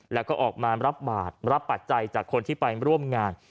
แล้วก็ออกมารับบาทรับปัจจัยจากคนที่ไปร่วมงาน